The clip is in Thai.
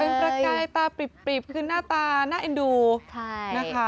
เป็นประกายตาปริบคือหน้าตาน่าเอ็นดูนะคะ